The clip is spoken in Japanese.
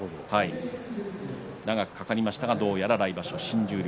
長くかかりましたがどうやら来場所、新十両。